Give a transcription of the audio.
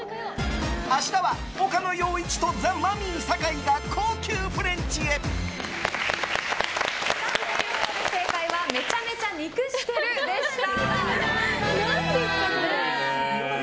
明日は岡野陽一とザ・マミィ酒井が正解はめちゃめちゃ肉してるでした。